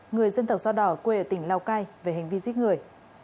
người dân tộc do đỏ quê ở tỉnh lao cai về hành vi giết người